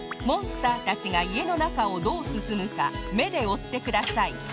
モンスターたちがいえのなかをどうすすむか目でおってください